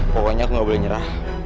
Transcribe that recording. pokoknya aku gak boleh nyerah